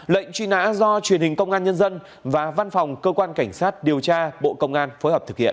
lệnh truy nã do truyền hình công an nhân dân và văn phòng cơ quan cảnh sát điều tra bộ công an phối hợp thực hiện